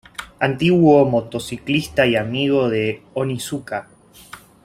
Antiguo motociclista y amigo de Onizuka.